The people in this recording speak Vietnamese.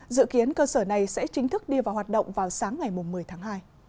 dự kiến cơ sở này sẽ chính thức đi vào hoạt động vào sáng ngày một mươi tháng hai